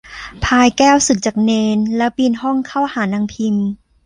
พลายแก้วสึกจากเณร แล้วปีนห้องเข้าหานางพิม